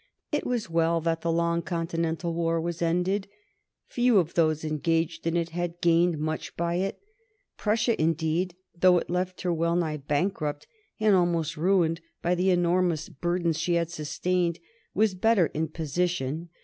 It was well that the long Continental war was ended. Few of those engaged in it had gained much by it. Prussia, indeed, though it left her wellnigh bankrupt and almost ruined by the enormous burdens she had sustained, was better in position.